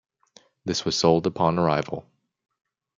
This was sold upon arrival.